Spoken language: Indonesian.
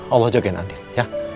allah jagain andin ya